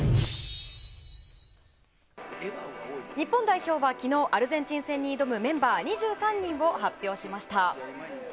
日本代表はきのう、アルゼンチン戦に挑むメンバー２３人を発表しました。